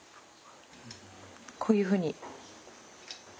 こういうふうに。